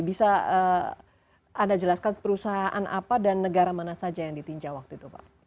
bisa anda jelaskan perusahaan apa dan negara mana saja yang ditinjau waktu itu pak